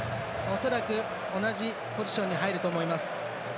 恐らく同じポジションに入ると思います。